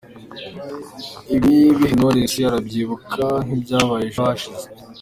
Ibi bihe Knowless arabyibuka nk’ibyabaye ejo hashize.